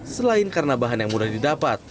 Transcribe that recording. selain karena bahan yang mudah didapat